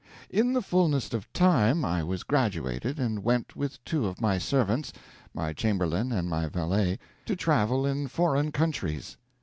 In the fullness of time I was graduated, and went with two of my servants my chamberlain and my valet to travel in foreign countries.